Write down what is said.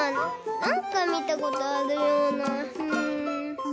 なんかみたことあるようなうん。